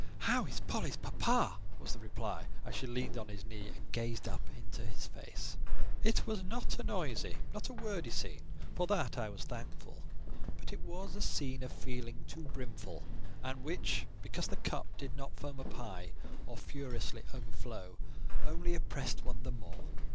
"How is Polly's papa?" was the reply, as she leaned on his knee, and gazed up into his face. It was not a noisy, not a wordy scene: for that I was thankful; but it was a scene of feeling too brimful, and which, because the cup did not foam up high or furiously overflow, only oppressed one the more.